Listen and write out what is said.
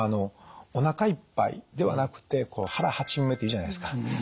おなかいっぱいではなくて腹八分目って言うじゃないですか。